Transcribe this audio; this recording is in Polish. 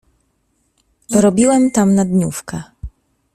"Robiłem tam na dniówkę."